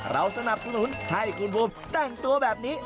เราสนับสนุนให้คุณภูมิแต่งตัวแบบนี้